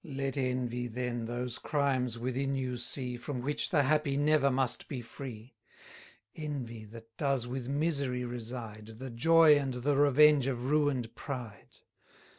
Let envy then those crimes within you see, From which the happy never must be free; 120 Envy, that does with misery reside, The joy and the revenge of ruin'd pride.